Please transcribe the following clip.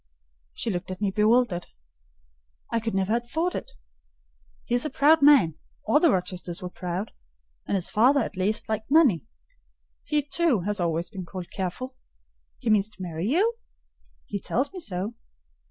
She looked at me bewildered. "I could never have thought it. He is a proud man: all the Rochesters were proud: and his father, at least, liked money. He, too, has always been called careful. He means to marry you?" "He tells me so."